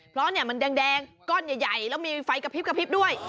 เพราะมันแดงก้อนใหญ่แล้วมีไฟกระพริบกระพริบด้วย